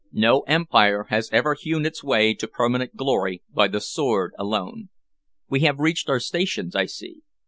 No empire has ever hewn its way to permanent glory by the sword alone. We have reached our stations, I see.